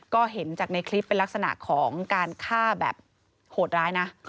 ก็เห็นจากในคลิปเป็นลักษณะของการฆ่าแบบโหดร้ายนะ